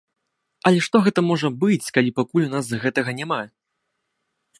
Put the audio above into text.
Але што гэта можа быць, калі пакуль у нас гэтага няма?